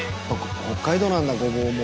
北海道なんだごぼうも。